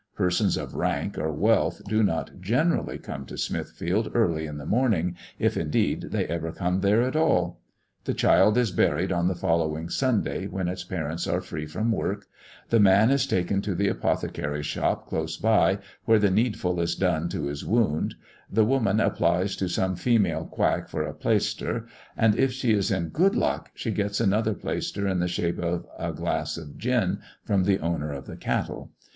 Persons of rank or wealth do not generally come to Smithfield early in the morning, if, indeed, they ever come there at all. The child is buried on the following Sunday, when its parents are free from work; the man is taken to the apothecary's shop close by, where the needful is done to his wound; the woman applies to some female quack for a plaister, and if she is in good luck she gets another plaister in the shape of a glass of gin from the owner of the cattle.